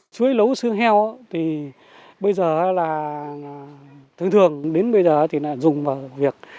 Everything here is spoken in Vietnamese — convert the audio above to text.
chuối lấu xương heo thì bây giờ là thường thường đến bây giờ thì lại dùng vào việc